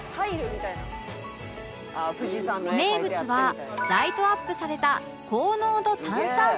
名物はライトアップされた高濃度炭酸泉